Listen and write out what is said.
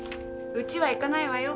うちは行かないわよ。